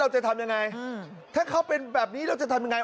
จะทำยังไงถ้าเขาเป็นแบบนี้เราจะทำยังไง